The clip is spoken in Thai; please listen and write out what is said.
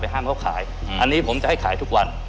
ห้ามเขาขายอันนี้ผมจะให้ขายทุกวัน